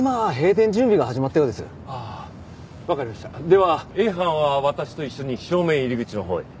ではＡ班は私と一緒に正面入り口のほうへ。